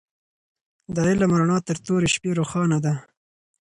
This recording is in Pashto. د علم رڼا تر تورې شپې روښانه ده.